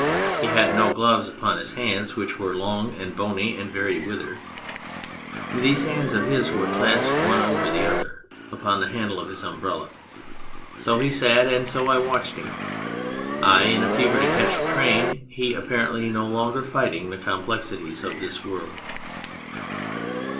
He had no gloves upon his hands, which were long and bony and very withered. These hands of his were clasped one over the other upon the handle of his umbrella. So he sat, and so I watched him ; I in a fever to catch a train, he apparently no longer fighting the complexities of this world.